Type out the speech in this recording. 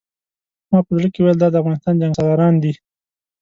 ما په زړه کې ویل دا د افغانستان جنګسالاران دي.